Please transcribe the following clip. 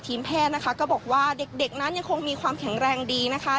แพทย์นะคะก็บอกว่าเด็กนั้นยังคงมีความแข็งแรงดีนะคะ